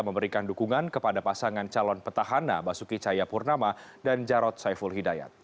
memberikan dukungan kepada pasangan calon petahana basuki cahayapurnama dan jarod saiful hidayat